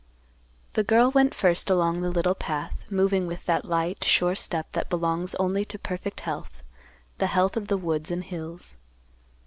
The girl went first along the little path, moving with that light, sure step that belongs only to perfect health, the health of the woods and hills.